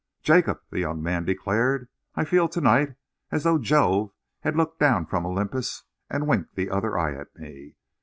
"Jacob," the young man declared, "I feel to night as though Jove had looked down from Olympus and winked the other eye at me.